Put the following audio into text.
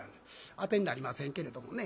当てになりませんけれどもね。